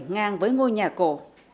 ngang với ngôi nhà cổ